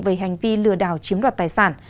về hành vi lừa đảo chiếm đoạt tài sản